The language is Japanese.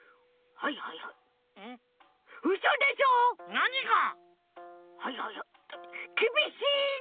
はいはいはいきびしいな！